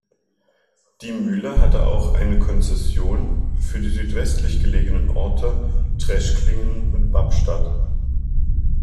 Die Mühle hatte auch eine Konzession für die südwestlich gelegenen Orte Treschklingen und Babstadt.